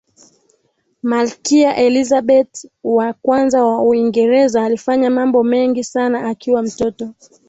malkia elizabeth wa kwanza wa uingereza alifanya mambo mengi sana akiwa mtoto